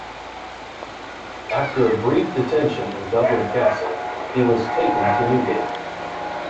After a brief detention in Dublin Castle, he was taken to Newgate.